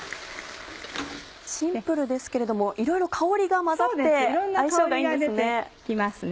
シンプルですけれどもいろいろ香りが混ざって相性がいいんですね。